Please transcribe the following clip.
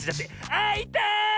あいたい！